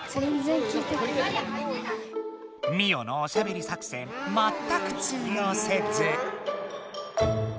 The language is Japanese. ミオのおしゃべり作戦まったく通用せず。